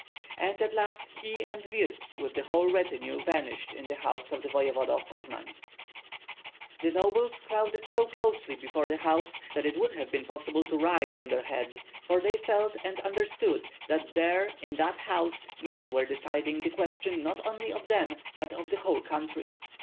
And at last he and Wirtz with the whole retinue vanished in the house of the voevoda of Poznan. The nobles crowded so closely before the house that it would have been possible to ride on their heads, for they felt and understood that there in that house men were deciding the question not only of them but of the whole country.